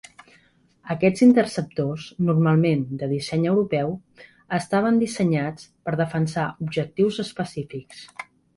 Aquests interceptors, normalment de disseny europeu, estaven dissenyats per defensar objectius específics.